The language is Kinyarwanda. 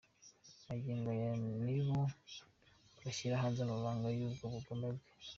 Magingo aya nibo bashyira hanze amabanga y’ubwo bugome bwe.